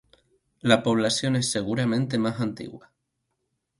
La población es seguramente más antigua.